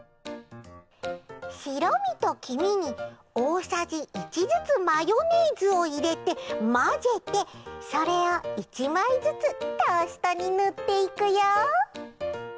しろみときみにおおさじ１ずつマヨネーズをいれてまぜてそれを１まいずつトーストにぬっていくよ！